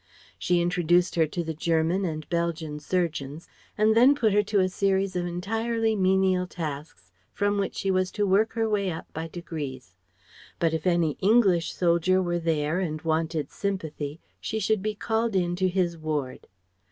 She introduced her to the German and Belgian surgeons, and then put her to a series of entirely menial tasks from which she was to work her way up by degrees. But if any English soldier were there and wanted sympathy, she should be called in to his ward